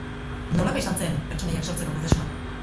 Nolakoa izan zen pertsonaiak sortzeko prozesua?